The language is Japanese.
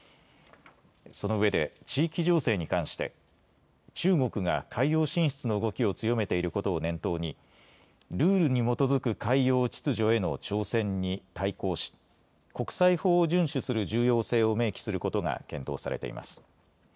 そのうえで地域情勢に関して中国が海洋進出の動きを強めていることを念頭にルールに基づく海洋秩序への挑戦に対抗し国際法を順守する重要性を明記することが検討されています。